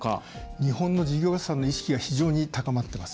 日本の事業者さんの意識が非常に高まっています。